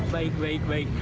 baik baik baik